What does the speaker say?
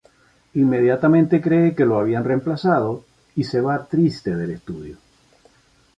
Inmediatamente cree que lo habían reemplazado y se va triste del estudio.